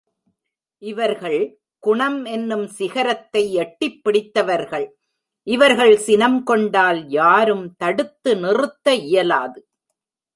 இவர்கள் குணம் என்னும் சிகரத்தை எட்டிப் பிடித்தவர்கள் இவர்கள் சினம் கொண்டால் யாரும் தடுத்து நிறுத்த இயலாது.